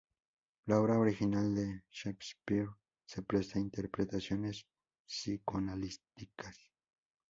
La obra original de Shakespeare se presta a interpretaciones psicoanalíticas.